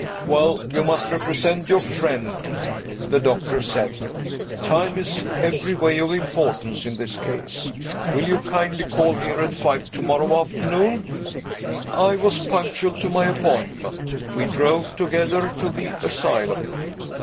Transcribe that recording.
"Well, you must represent your friend," the doctor said. "Time is every way of importance in this case. Will you kindly call here at five to morrow afternoon?" I was punctual to my appointment. We drove together to the asylum.